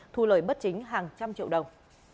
thu lời bất chính hàng trăm triệu đồng